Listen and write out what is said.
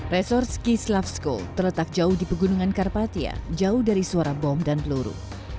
resort ski slavsko terletak jauh di pegunungan karpathia jauh dari suara bom dan peluru